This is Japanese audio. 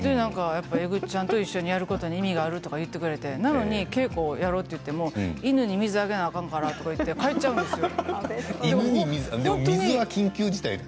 えぐっちゃんと一緒にやることに意味があるとか言ってくれてでも稽古をやろうと言っても犬に水をあげなきゃあかんからって帰っちゃうんですよ。